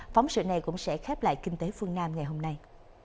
phóng sự này cũng sẽ khép lại kinh tế phương nam ngày hôm nay